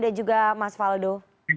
dan juga mas valdo